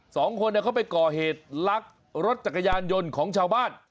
สองคนเขาไปก่อเหตุลักรถจักรยานยนต์ของชาวบ้าน